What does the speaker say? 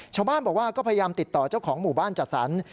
ชาวบ้านบอกว่าก็พยายามติดต่อเจ้าของหมู่บ้านจัดสรร